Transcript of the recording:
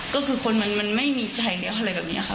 ก็คือคนมันไม่มีใจแล้วอะไรแบบนี้ค่ะ